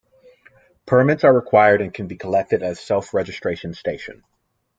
Permits are required and can be collected at a self-registration station.